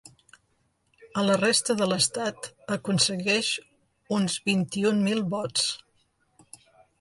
A la resta de l’estat aconsegueix uns vint-i-un mil vots.